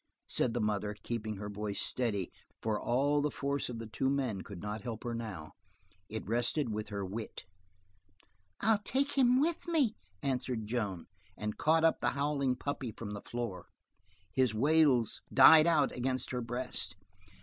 said the mother, keeping her voice steady, for all the force of the two men could not help her now. It rested with her wit. "I'll take him with me," answered Joan, and caught up the howling puppy from the floor. His wails died out against her breast.